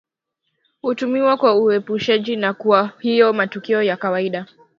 Hutumiwa kwa uepushaji na kwa hiyo matukio ya kawaida